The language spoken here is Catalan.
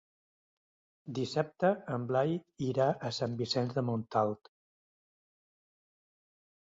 Dissabte en Blai irà a Sant Vicenç de Montalt.